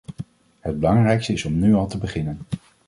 Het belangrijkste is om nu al te beginnen.